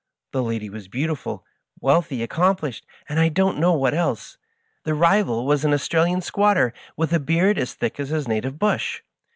The lady was beautiful, wealthy, accomplished, and I don't know what else. The rival was an Australian squatter, with a beard as thick as his native bush.